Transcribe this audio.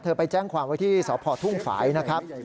ไปแจ้งความไว้ที่สพทุ่งฝ่ายนะครับ